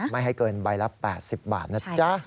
ไม่ให้เกินใบละ๘๐บาทนะจ๊ะ